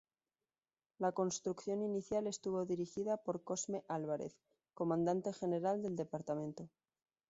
La construcción inicial estuvo dirigida por Cosme Álvarez, comandante general del Departamento.